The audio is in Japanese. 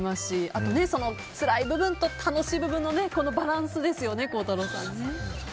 あと、つらい部分と楽しい部分のバランスですよね。